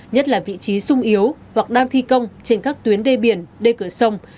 nhất là vị trí sung yếu hoặc đang thi công trên các tuyến đê biển đê cửa sông